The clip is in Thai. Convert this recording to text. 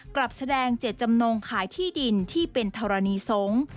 กลับแสดงเจตจำนงขายที่ดินที่เป็นธรณีสงฆ์